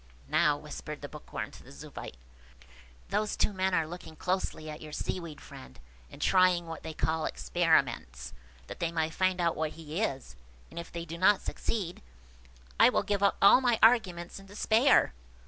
"Now," whispered the Bookworm to the Zoophyte, "those two men are looking closely at your Seaweed friend, and trying what they call experiments, that they may find out what he is; and if they do not succeed, I will give up all my arguments in despair."